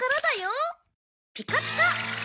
「ピカピカ！」